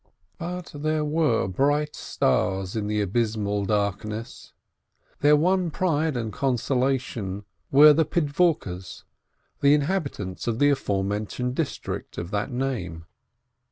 But there were bright stars in the abysmal dark ness; their one pride and consolation were the Pid 452 BLINKIN vorkes, the inhabitants of the aforementioned district of that name.